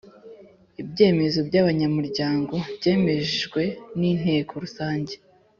Ibyemezo by’abanyamuryango byemejwe n’Inteko Rusange